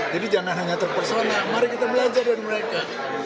jadi jangan hanya terpersona mari kita belajar dari mereka